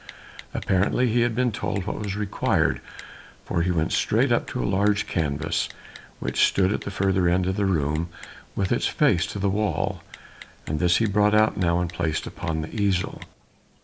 Apparently he had been told what was required, for he went straight up to a large canvas which stood at the further end of the room with its face to the wall, and this he brought out now and placed upon the easel.